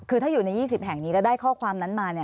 คือถ้าอยู่ใน๒๐แห่งนี้แล้วได้ข้อความนั้นมา